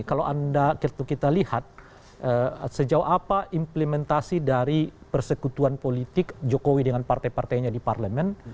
kalau anda kita lihat sejauh apa implementasi dari persekutuan politik jokowi dengan partai partainya di parlemen